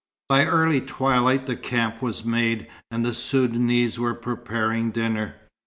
By early twilight the camp was made, and the Soudanese were preparing dinner.